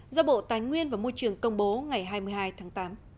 do bộ tài nguyên và môi trường công bố ngày hai mươi hai tháng tám